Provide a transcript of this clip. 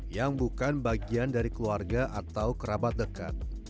yang bukan bagian dari keluarga atau kerabat dekat